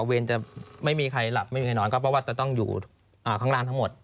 เวรจะไม่มีใครหลับไม่มีใครนอนก็เพราะว่าจะต้องอยู่ข้างล่างทั้งหมด